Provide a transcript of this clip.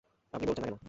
আপনি বলছেন না কেন?